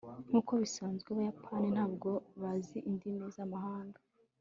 nkuko bisanzwe, abayapani ntabwo bazi indimi zamahanga